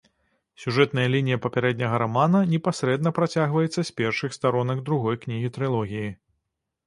Сюжэтная лінія папярэдняга рамана непасрэдна працягваецца з першых старонак другой кнігі трылогіі.